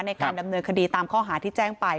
ในการดำเนินคดีตามข้อหาที่แจ้งไป